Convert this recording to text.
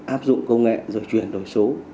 áp dụng công nghệ rồi truyền đổi số